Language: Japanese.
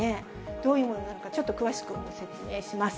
どういうものなのか、ちょっと詳しく説明します。